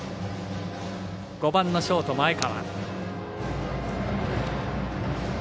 ５番のショート、前川。